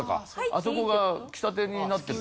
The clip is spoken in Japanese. あそこが喫茶店になってる。